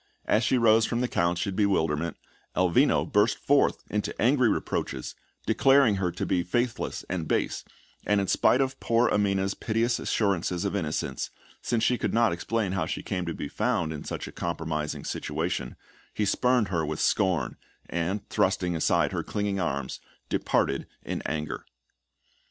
As she rose from the couch in bewilderment, Elvino burst forth into angry reproaches, declaring her to be faithless and base; and in spite of poor Amina's piteous assurances of innocence, since she could not explain how she came to be found in such a compromising situation, he spurned her with scorn, and, thrusting aside her clinging arms, departed in anger.